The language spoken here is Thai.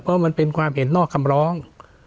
เพราะมันเป็นความเห็นนอกคำร้อง